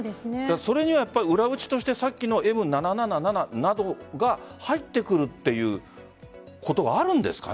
それには裏打ちとしてさっきのＭ７７７などが入ってくるということはあるんですか？